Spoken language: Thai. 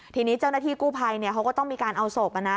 ทีนี้เจ้าหน้าที่กู้ภัยเขาก็ต้องมีการเอาศพ